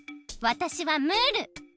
わたしはムール。